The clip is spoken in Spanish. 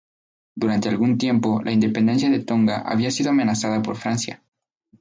Durante algún tiempo, la independencia de Tonga había sido amenazada por Francia.